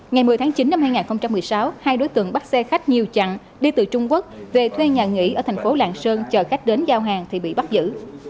ngày một mươi tháng chín năm hai nghìn một mươi sáu hai đối tượng bắt xe khách nhiều chặng đi từ trung quốc về thuê nhà nghỉ ở thành phố lạng sơn chờ khách đến giao hàng thì bị bắt giữ